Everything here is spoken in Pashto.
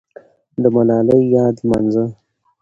د ملالۍ یاد لمانځه.